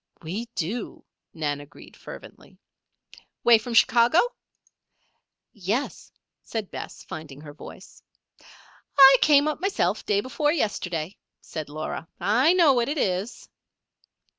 "We do," Nan agreed fervently. "'Way from Chicago?" "Yes," said Bess, finding her voice. "I came up myself day before yesterday," said Laura. "I know what it is."